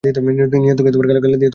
নিয়তিকে গালাগাল দিয়ে তো লাভ নাই।